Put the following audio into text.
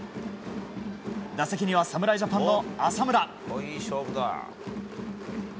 打席には侍ジャパンの浅村。